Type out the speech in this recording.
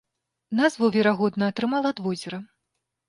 Назву, верагодна, атрымала ад возера.